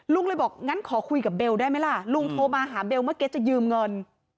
ลุงเลยบอกงั้นขอคุยกับเบลได้ไหมล่ะลุงโทรมาหาเบลเมื่อกี้จะยืมเงิน